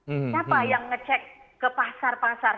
siapa yang ngecek ke pasar pasar